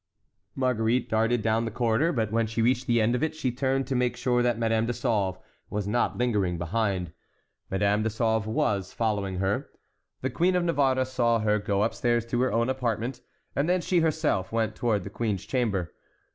Marguerite darted down the corridor, but when she reached the end of it she turned to make sure that Madame de Sauve was not lingering behind. Madame de Sauve was following her. The Queen of Navarre saw her go upstairs to her own apartment, and then she herself went toward the queen's chamber.